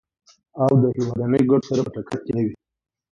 او له هېوادنیو ګټو سره په ټکر کې نه وي.